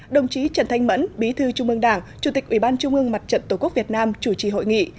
đồng chí trần thanh mẫn bí thư trung ương đảng chủ tịch ủy ban trung ương mặt trận tổ quốc việt nam chủ trì hội nghị